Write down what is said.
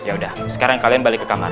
yaudah sekarang kalian balik ke kamar ya